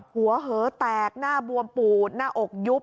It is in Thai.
หัวเหอแตกหน้าบวมปูดหน้าอกยุบ